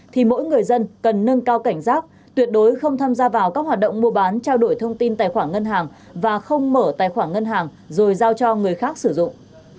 thì mỗi người dân cần nâng cao cảnh giác tuyệt đối không tham gia vào các hoạt động mua bán trao đổi thông tin tài khoản ngân hàng và không mở tài khoản ngân hàng rồi giao cho người khác sử dụng